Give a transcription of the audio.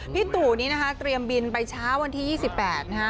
ตู่นี้นะคะเตรียมบินไปเช้าวันที่๒๘นะฮะ